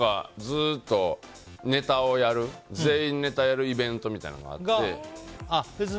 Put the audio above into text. ずっとネタをやる全員ネタをやるイベントみたいなのがあって。